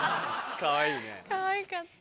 かわいかった。